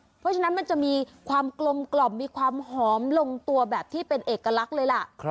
เพราะฉะนั้นมันจะมีความกลมกล่อมมีความหอมลงตัวแบบที่เป็นเอกลักษณ์เลยล่ะ